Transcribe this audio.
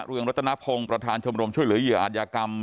เรืองรัตนพงศ์ประธานชมรมช่วยเหลือเหยื่ออาจยากรรม